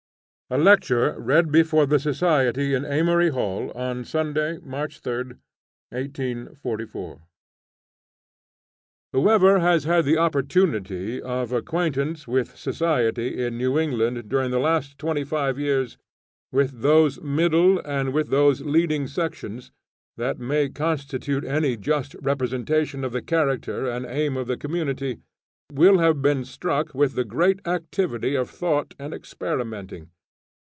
A LECTURE READ BEFORE THE SOCIETY IN AMORY HALL, ON SUNDAY, MARCH 3, 1844. WHOEVER has had opportunity of acquaintance with society in New England during the last twenty five years, with those middle and with those leading sections that may constitute any just representation of the character and aim of the community, will have been struck with the great activity of thought and experimenting.